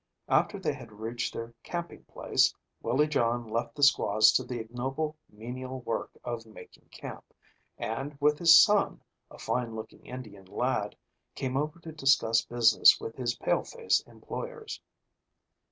After they had reached their camping place, Willie John left the squaws to the ignoble menial work of making camp, and with his son, a fine looking Indian lad, came over to discuss business with his pale face employers.